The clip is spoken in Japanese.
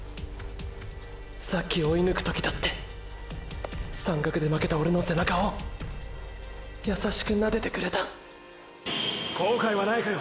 さっき追い抜く時だって山岳で負けたオレの背中をやさしくなでてくれた後悔はないかよ？